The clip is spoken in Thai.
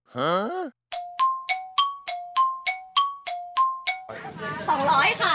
หึ